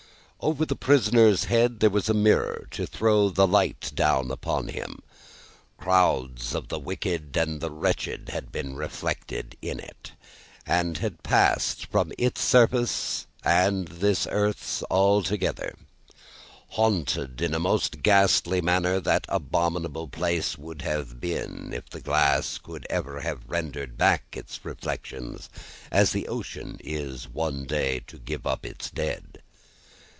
Over the prisoner's head there was a mirror, to throw the light down upon him. Crowds of the wicked and the wretched had been reflected in it, and had passed from its surface and this earth's together. Haunted in a most ghastly manner that abominable place would have been, if the glass could ever have rendered back its reflections, as the ocean is one day to give up its dead.